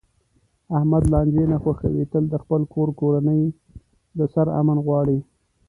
احمد لانجې نه خوښوي، تل د خپل کور کورنۍ د سر امن غواړي.